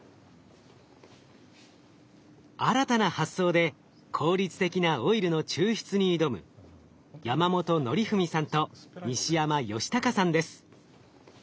新たな発想で効率的なオイルの抽出に挑む山本哲史さんと西山佳孝さんです。